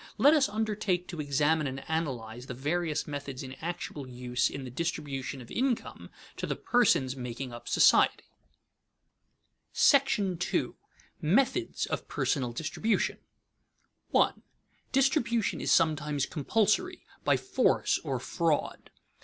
Let us undertake to examine and analyze the various methods in actual use in the distribution of income to the persons making up society. § II. METHODS OF PERSONAL DISTRIBUTION [Sidenote: Compulsory distribution; violence] 1. _Distribution is sometimes compulsory, by force or fraud.